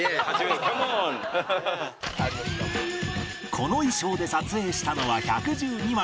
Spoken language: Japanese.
この衣装で撮影したのは１１２枚